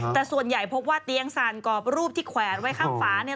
แต่ส่วนใหญ่พบว่าเตียงสั่นกรอบรูปที่แขวนไว้ข้างฝาเนี่ย